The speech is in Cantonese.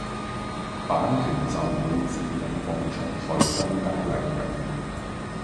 版權就會自動放出去公家領域。